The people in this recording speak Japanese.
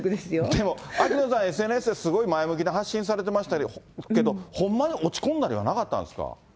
でも、秋野さん、ＳＮＳですごい前向きに発信されてましたけど、ほんまに落ち込んだりはなかったんですか。